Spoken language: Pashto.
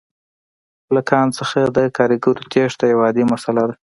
له کان څخه د کارګرو تېښته یوه عادي مسئله ده